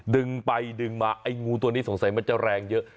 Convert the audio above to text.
ดึงไปดึงมาไอ้งูตัวนี้สงสัยมันจะแรงเยอะ